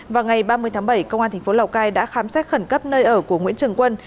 vào ngày ba mươi tháng bảy công an tp lào cai đã khám xét khẩn cấp nơi ở của nguyễn trường quân